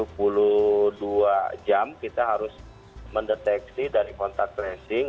dua puluh dua jam kita harus mendeteksi dari kontak tracing